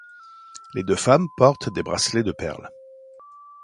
Les deux femmes portent des bracelets de perles.